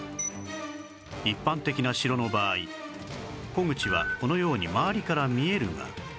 一般的な城の場合虎口はこのように周りから見えるが